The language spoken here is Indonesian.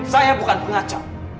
saya bukan pengacau